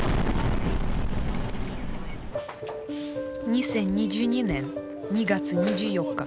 ２０２２年２月２４日。